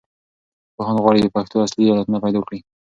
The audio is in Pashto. پوهان غواړي د پېښو اصلي علتونه پیدا کړو.